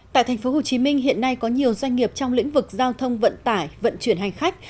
tại tp hcm hiện nay có nhiều doanh nghiệp trong lĩnh vực giao thông vận tải vận chuyển hành khách